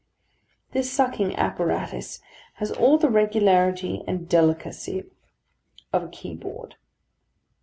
This sucking apparatus has all the regularity and delicacy of a key board.